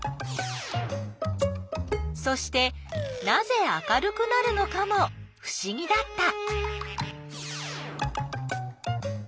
そしてなぜ明るくなるのかもふしぎだった。